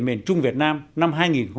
miền trung việt nam năm hai nghìn một mươi sáu